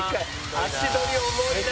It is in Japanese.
足取り重いな。